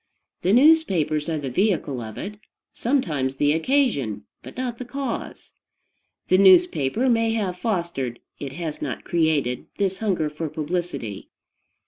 The newspapers are the vehicle of it, sometimes the occasion, but not the cause. The newspaper may have fostered it has not created this hunger for publicity.